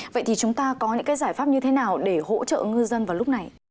vậy thì chúng ta có những cái giải pháp như thế nào để hỗ trợ ngư dân vào lúc này